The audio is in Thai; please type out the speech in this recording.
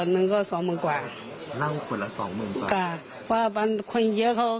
แต่ถ้าทางลูกค้าจะเอามาเองเราก็ไม่ทราบ